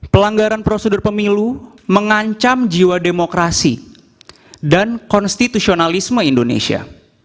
pelanggaran prosedur pemilu mengancam jiwa demokrasi dan konstitusionalisme indonesia